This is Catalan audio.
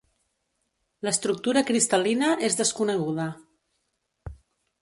L'estructura cristal·lina és desconeguda.